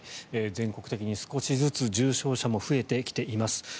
全国的に少しずつ重症者も増えてきています。